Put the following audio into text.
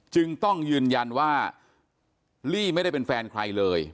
จึงต้องยืนยันว่าลี่ไม่ได้เป็นแฟนใครเลย